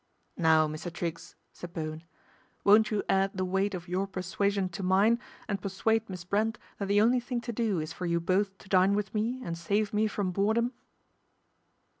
" Now, Mr. Triggs," said Bowen, " won't you add the weight of your persuasion to mine, and persuade Miss Brent that the only thing to do is for you both to dine with me and save me from boredom